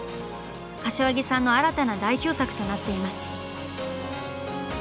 柏木さんの新たな代表作となっています。